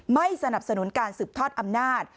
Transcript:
ไม่สนับสนุนการสืบทอดอำนาจ